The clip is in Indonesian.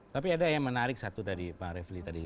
tapi ada yang menarik satu tadi bang refli tadi